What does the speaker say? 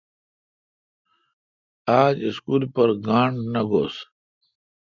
آج اسکول پر گانٹھ نہ گوس۔